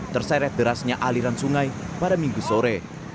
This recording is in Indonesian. terseret derasnya aliran sungai pada minggu sore